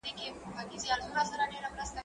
زه به سندري اورېدلي وي،